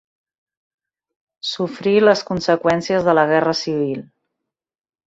Sofrí les conseqüències de la Guerra Civil.